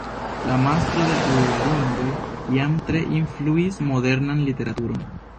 La Mastro de l' Ringoj jam tre influis modernan literaturon.